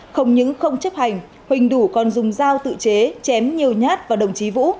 không những không chấp hành huỳnh đủ còn dùng dao tự chế chém nhiều nhát vào đồng chí vũ